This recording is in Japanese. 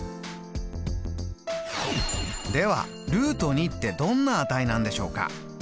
ではってどんな値なんでしょうか。